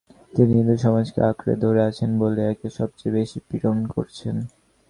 তিনি হিন্দুসমাজকে আঁকড়ে ধরে আছেন বলেই একে সব চেয়ে বেশি পীড়ন করছেন।